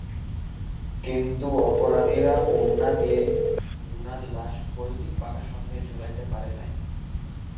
কিন্তু অপরাধীরা ওড়না দিয়ে রুনার লাশ বৈদ্যুতিক পাখার সঙ্গে ঝুলাইতে পারে নাই।